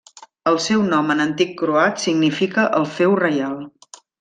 El seu nom en antic croat significa el feu reial.